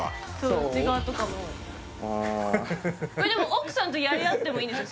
奥さんとやり合ってもいいんですよ